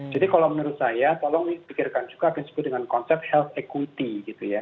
jadi kalau menurut saya tolong pikirkan juga apa yang disebut dengan konsep health equity gitu ya